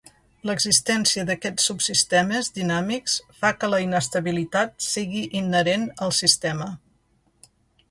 L'existència d'aquests subsistemes dinàmics fa que la inestabilitat sigui inherent al sistema.